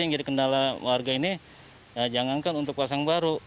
yang jadi kendala warga ini jangankan untuk pasang baru